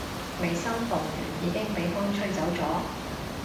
未心動完已經畀風吹走咗